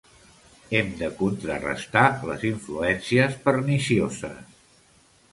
Hem de contrarestar les influències pernicioses.